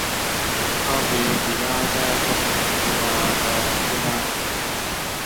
皮奥里亚在探索时代是欧洲殖民者在伊利诺伊地区最大的定居点。